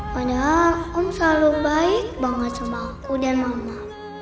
padahal om selalu baik banget sama aku dan mama